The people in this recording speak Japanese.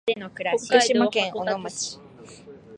福島県小野町